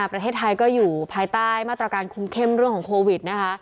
ประเทศไทยก็อยู่ภายใต้มาตรการคุมเข้มเรื่องของโควิดนะคะ